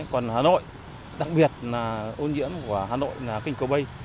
còn hà nội đặc biệt là ô nhiễm của hà nội là kênh cầu bây